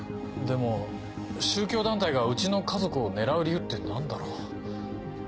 でも宗教団体がうちの家族を狙う理由って何だろう？